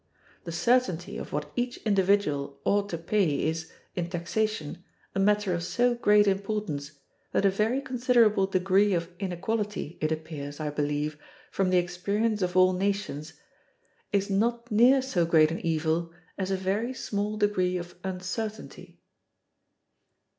The certainty of what each individual ought to pay is, in taxation, a matter of so great importance, that a very considerable degree of inequality, it appears, I believe, from the experience of all nations, is not near so great an evil as a very small degree of uncertainty.